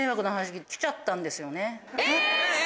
えっ！